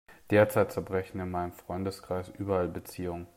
Derzeit zerbrechen in meinem Freundeskreis überall Beziehungen.